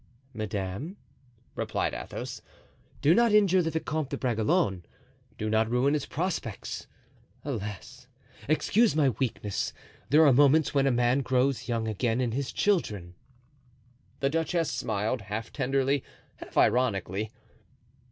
"Madame," replied Athos, "do not injure the Vicomte de Bragelonne—do not ruin his prospects. Alas! excuse my weakness! There are moments when a man grows young again in his children." The duchess smiled, half tenderly, half ironically.